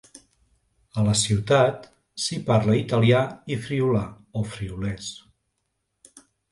A la ciutat s'hi parla italià i friülà o friülès.